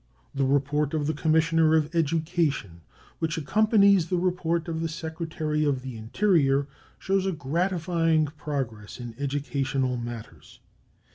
The report of the Commissioner of Education, which accompanies the report of the Secretary of the Interior, shows a gratifying progress in educational matters.